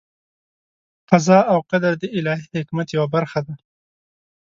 قضا او قدر د الهي حکمت یوه برخه ده.